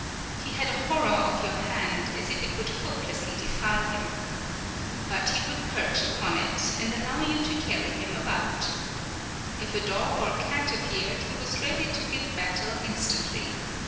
He had a horror of your hand, as if it would hopelessly defile him. But he would perch upon it, and allow you to carry him about. If a dog or cat appeared, he was ready to give battle instantly.